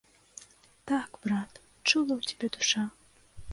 Так, брат, чулая ў цябе душа!